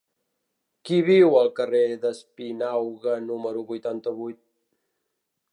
Qui viu al carrer d'Espinauga número vuitanta-vuit?